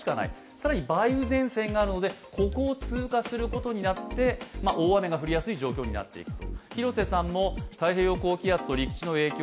更に梅雨前線があるのでここを通過することになって大雨が降りやすい状況になっていくと。